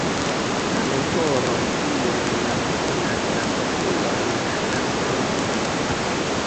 La mentoro tiel jam konas la postulojn kaj la solvojn.